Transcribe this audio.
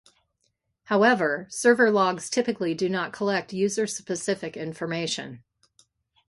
However, server logs typically do not collect user-specific information.